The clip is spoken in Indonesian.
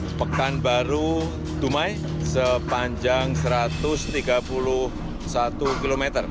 di pekanbaru dumai sepanjang satu ratus tiga puluh satu km